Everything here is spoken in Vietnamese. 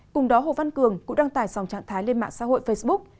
cùng đó hồ văn cường cũng đăng tải dòng trạng thái lên mạng xã hội facebook